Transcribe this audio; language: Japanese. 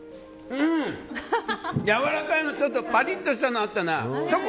やわらかいのとパリッとしたのあったな。